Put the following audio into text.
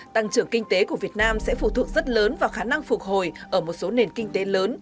tăng trưởng kinh tế của việt nam sẽ phụ thuộc rất lớn vào khả năng phục hồi ở một số nền kinh tế lớn